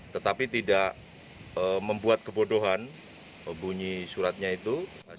tetapi tidak membuat kebodohan bunyi suratnya itu